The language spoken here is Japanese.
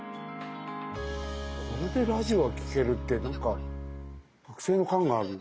これでラジオが聴けるってなんか隔世の感がある。